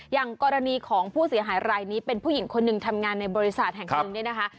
อย่างกรณีของผู้เสียหายรายนี้เป็นผู้หญิงคนหนึ่งทำงานในบริษัทแห่งหนึ่งเนี่ยนะคะ